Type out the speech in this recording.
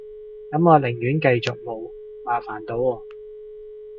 噉我寧願繼續冇，麻煩到我